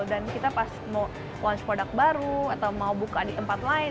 kita pas mau launch product baru atau mau buka di tempat lain